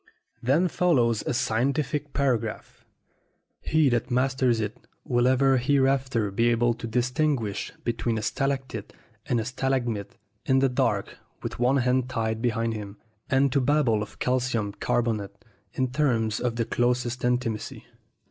Then follows a scientific par agraph. He that masters it will ever hereafter be able to distinguish between a stalactite and a stalagmite in the dark with one hand tied behind him, and to babble of calcium carbonate in terms of the closest intimacy.